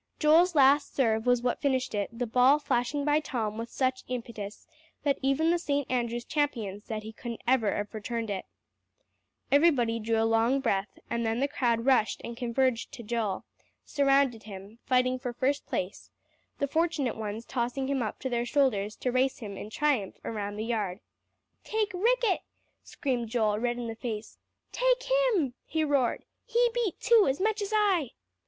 Joel's last serve was what finished it; the ball flashing by Tom with such impetus, that even the St. Andrew's champion said he couldn't ever have returned it. Everybody drew a long breath, and then the crowd rushed and converged to Joel; surrounded him, fighting for first place, the fortunate ones tossing him up to their shoulders to race him in triumph around the yard. "Take Ricket!" screamed Joel, red in the face. "Take him!" he roared. "He beat too, as much as I."